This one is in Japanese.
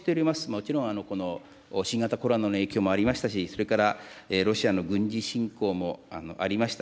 もちろん新型コロナの影響もありましたし、それからロシアの軍事侵攻もありました。